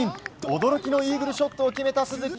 驚きのイーグルショットを決めた鈴木。